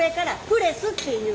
プレス。